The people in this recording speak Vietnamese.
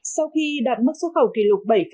sau khi đạt mức xuất khẩu kỷ lục